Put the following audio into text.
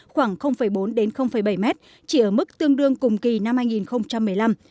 khoảng bốn bảy m chỉ ở mức tương đương cùng kỳ năm hai nghìn một mươi năm